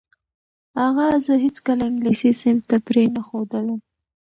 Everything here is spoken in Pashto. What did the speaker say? اغا زه هیڅکله انګلیسي صنف ته پرې نه ښودلم.